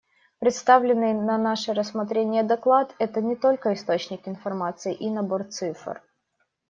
Представленный на наше рассмотрение доклад — это не только источник информации и набор цифр.